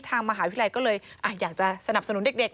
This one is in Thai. ทางมหาวิทยาลัยก็เลยอยากจะสนับสนุนเด็ก